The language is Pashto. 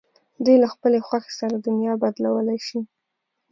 دوی له خپلې خوښې سره دنیا بدلولای شي.